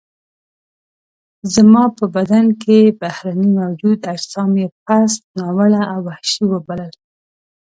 زما په بدن کې بهرني موجود اجسام یې پست، ناوړه او وحشي وبلل.